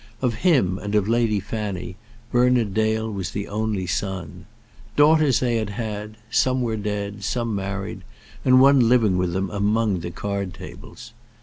Of him and of Lady Fanny, Bernard Dale was the only son. Daughters they had had; some were dead, some married, and one living with them among the card tables.